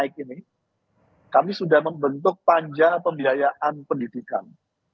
kami sudah membentuk panja pembiayaan pendidikan